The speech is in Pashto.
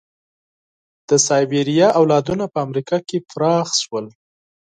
د سایبریا اولادونه په امریکا کې پراخه شول.